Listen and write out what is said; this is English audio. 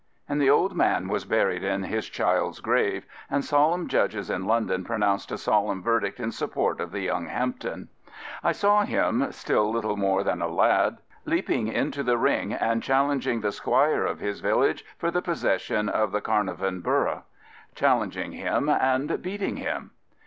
And the old man was buried in his child's grave, and solemn judges in London pronounced a solemn verdict in support of the young Hampden. I saw him, still little more than a lad, leaping into the ring, and challenging the squire of his village for the possession of the Car narvon Boroughs — challenging him and beating him.